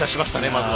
まずは。